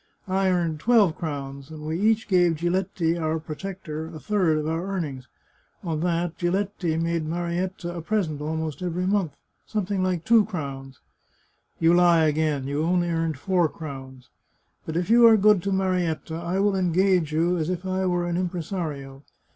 I earned twelve crowns, and we each gave Giletti, our pro tector, a third of our earnings ; on that Giletti made Marietta a present almost every month — something like two crowns "" You lie again ; you only earned four crowns. But if you are good to Marietta, I will engage you as if I were an impresario.